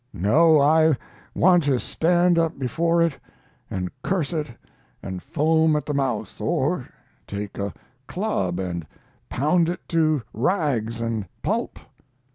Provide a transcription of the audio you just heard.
No, I want to stand up before it and curse it and foam at the mouth, or take a club and pound it to rags and pulp.